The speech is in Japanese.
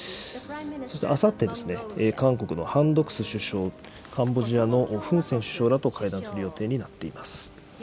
そしてあさってですね、韓国のハン・ドクス首相、カンボジアのフン・セン首相らと会談する予定になっています。